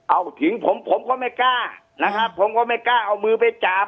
เอาทิ้งผมผมก็ไม่กล้านะครับผมก็ไม่กล้าเอามือไปจับ